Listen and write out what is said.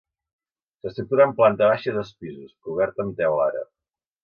S'estructura en planta baixa i dos pisos, cobert amb teula àrab.